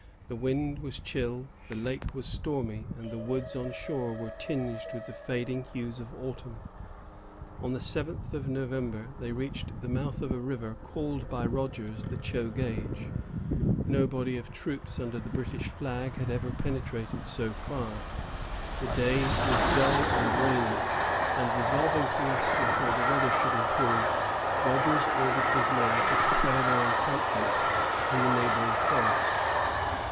The wind was chill, the lake was stormy, and the woods on shore were tinged with the fading hues of autumn. On the seventh of November, they reached the mouth of a river called by Rogers the Chogage. No body of troops under the British flag had ever before penetrated so far. The day was dull and rainy, and, resolving to rest until the weather should improve, Rogers ordered his men to prepare their encampment in the neighboring forest.